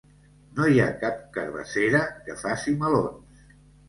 No hi ha cap carabassera que faci melons.